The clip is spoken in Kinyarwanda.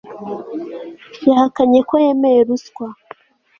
Yahakanye ko yemeye ruswa